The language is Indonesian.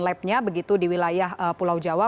sebarang lab nya begitu di wilayah pulau jawa